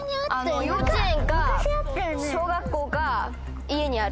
幼稚園か小学校か家にある。